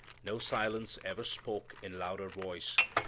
No silence ever spoke in louder voice.